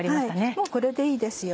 もうこれでいいですよ。